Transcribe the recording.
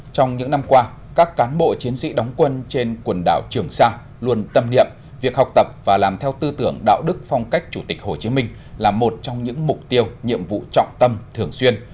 trong những năm qua các cán bộ chiến sĩ đóng quân trên quần đảo trường sa luôn tâm niệm việc học tập và làm theo tư tưởng đạo đức phong cách chủ tịch hồ chí minh là một trong những mục tiêu nhiệm vụ trọng tâm thường xuyên